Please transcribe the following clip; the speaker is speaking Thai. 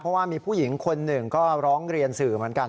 เพราะว่ามีผู้หญิงคนหนึ่งก็ร้องเรียนสื่อเหมือนกัน